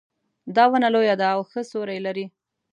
دا ونه لویه ده او ښه سیوري لري